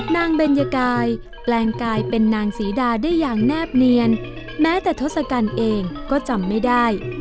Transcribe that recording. เบญยกายแปลงกายเป็นนางศรีดาได้อย่างแนบเนียนแม้แต่ทศกัณฐ์เองก็จำไม่ได้